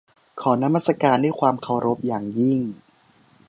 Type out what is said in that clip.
ขอนมัสการด้วยความเคารพอย่างยิ่ง